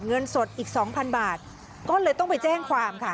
เงินสดอีกสองพันบาทก็เลยต้องไปแจ้งความค่ะ